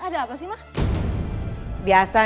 ada apa sih ma